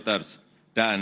dan terlibat di bnp